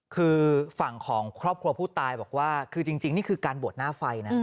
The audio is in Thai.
คือฝั่งของครอบครัวผู้ตายบอกว่าคือจริงนี่คือการบวชหน้าไฟนะ